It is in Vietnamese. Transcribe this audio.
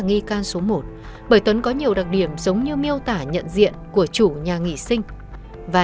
nghi can số một bởi tuấn có nhiều đặc điểm giống như miêu tả nhận diện của chủ nhà nghỉ sinh và